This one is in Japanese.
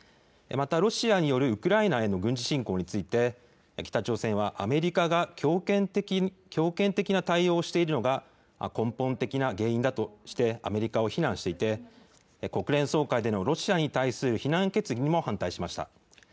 また、ロシアによるウクライナへの軍事侵攻について、北朝鮮は、アメリカが強権的な対応をしているのが、根本的な原因だとして、アメリカを非難していて、国連総会でのロシアに対する非難決議にも反対しました。